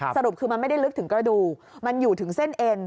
สรุปคือมันไม่ได้ลึกถึงกระดูกมันอยู่ถึงเส้นเอ็น